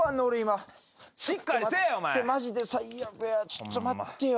ちょっと待ってよ。